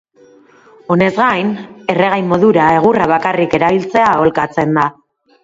Honez gain, erregai modura egurra bakarrik erabiltzea aholkatzen da.